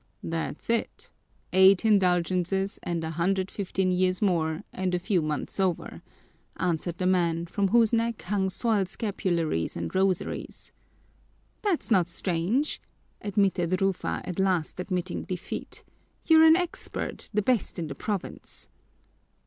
"That's it, eight indulgences and a hundred fifteen years more and a few months over," answered the man, from whose neck hung soiled scapularies and rosaries. "That's not strange!" admitted Rufa, at last admitting defeat. "You're an expert, the best in the province."